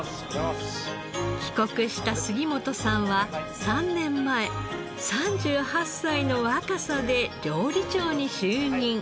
帰国した杉本さんは３年前３８歳の若さで料理長に就任。